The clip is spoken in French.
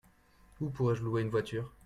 Où pourrais-je louer une voiture ?